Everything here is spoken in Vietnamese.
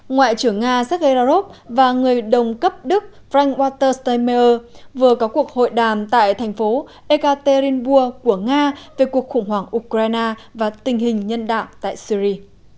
ngoại trưởng nga sergei rarov và người đồng cấp đức frank walter stemmeier vừa có cuộc hội đàm tại thành phố ekaterinburg của nga về cuộc khủng hoảng ukraine và tình hình nhân đạo tại syri